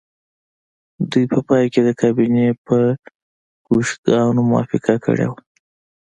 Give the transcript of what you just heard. دوی په پای کې د کابینې په کشوګانو موافقه کړې وه